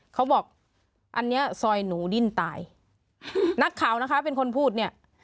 เขาบอกอันเนี้ยซอยหนูดิ้นตายนักข่าวนะคะเป็นคนพูดเนี่ย